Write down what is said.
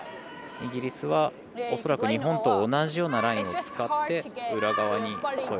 イギリスは、恐らく日本と同じようなラインを使って裏側に。